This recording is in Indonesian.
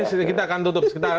ini kita akan tutup